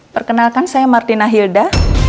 perkenalkan saya martina hilda